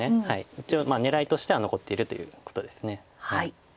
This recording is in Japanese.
一応狙いとしては残っているということです。